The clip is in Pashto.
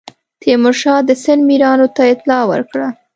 تیمورشاه د سند میرانو ته اطلاع ورکړه.